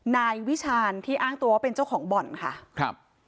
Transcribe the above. นายวิชาณที่อ้างตัวว่าเป็นเจ้าของบ่อนค่ะครับ